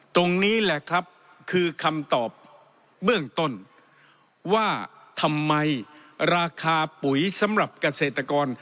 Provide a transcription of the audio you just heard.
ตรงนี้แหละครับคือคำตอบเบื้องต้นว่าทำไมราคาปุ๋ยสำหรับเกษตรกร